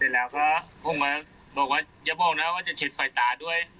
เสร็จแล้วก็บอกว่าอย่าบอกนะว่าจะเช็ดไฟตาด้วย